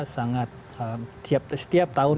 sangat setiap tahun